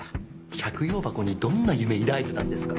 百葉箱にどんな夢抱いてたんですか。